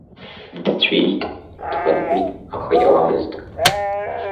Дҵәиит, дхынҳәит, аха иауамызт.